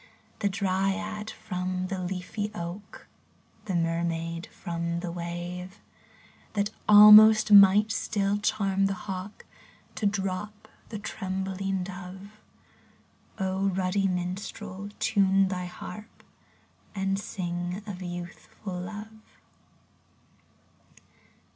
The dryad from the leafy oak, The mermaid from the wave ; That almost might still charm the hawk To drop the trembling dove? ruddy minstrel, time thy harp. And sing of Youthful Love